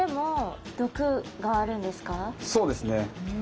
そうですね。